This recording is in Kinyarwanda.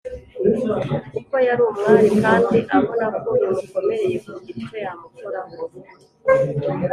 kuko yari umwari kandi abona ko bimukomereye kugira icyo yamukoraho.